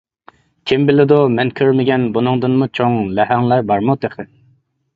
كىم بىلىدۇ، مەن كۆرمىگەن بۇنىڭدىنمۇ چوڭ لەھەڭلەر بارمۇ تېخى.